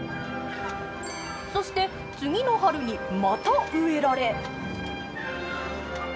そして次の春にまた植えられ。